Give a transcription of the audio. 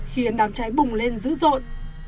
khiến đám cháy bùng lên dữ dộn